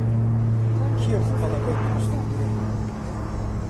کێ بووکەڵەکەی دروست کردووە؟